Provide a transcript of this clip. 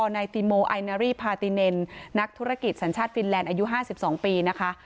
นายติโมไอนารี่พาติเนนนักธุรกิจสัญชาติฟินแลนด์อายุ๕๒ปีนะคะ